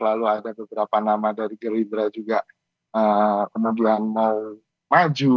lalu ada beberapa nama dari gerindra juga kemudian maju